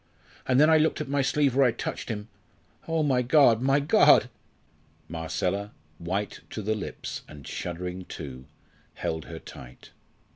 An' then I looked at my sleeve where I'd touched him oh, my God! my God!" Marcella, white to the lips and shuddering too, held her tight.